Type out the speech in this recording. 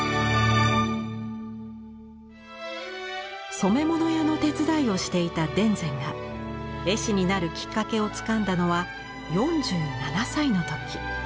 染め物屋の手伝いをしていた田善が絵師になるきっかけをつかんだのは４７歳の時。